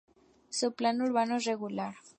Su plano urbano es regular.